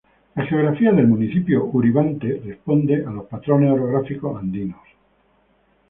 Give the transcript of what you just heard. La geografía del Municipio Uribante responde a los patrones orográficos andinos.